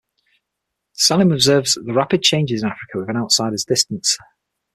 Salim observes the rapid changes in Africa with an outsider's distance.